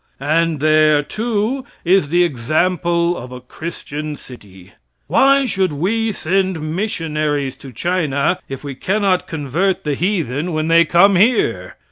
And there, too, is the example of a Christian city. Why should we send missionaries to China if we cannot convert the heathen when they come here?